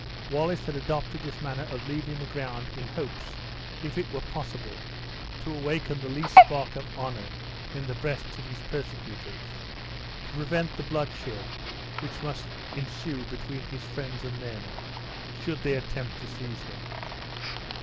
Wallace had adopted this manner of leaving the ground, in hopes, if it were possible, to awaken the least spark of honor in the breasts of his persecutors, to prevent the bloodshed which must ensue between his friends and them, should they attempt to seize him.